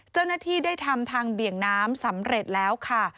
เจ้าหน้าที่ได้ทำทางเบี่ยงน้ำสำเร็จแล้วค่ะ